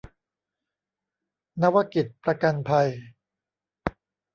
นวกิจประกันภัย